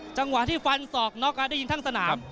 จังหวะที่ฟันศอกน็อกได้ยินทั้งสนาม